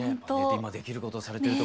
今できることをされてると。